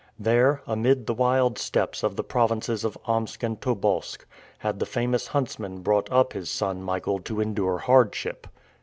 There, amid the wild steppes of the provinces of Omsk and Tobolsk, had the famous huntsman brought up his son Michael to endure hardship.